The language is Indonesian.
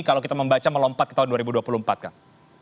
kalau kita membaca melompat ke tahun dua ribu dua puluh empat kak